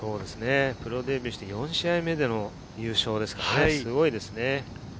プロデビューして４試合目での優勝ですから、すごいですよね。